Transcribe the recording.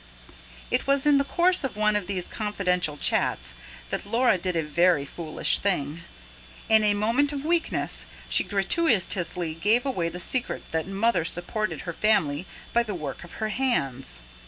It was in the course of one of these confidential chats that Laura did a very foolish thing. In a moment of weakness, she gratuitously gave away the secret that Mother supported her family by the work of her hands.